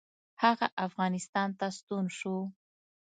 هغه افغانستان ته ستون شو.